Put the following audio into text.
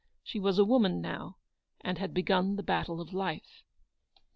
She was a woman now, and had begun the battle of life.